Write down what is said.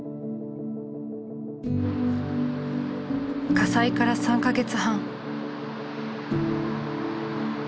火災から３か月半。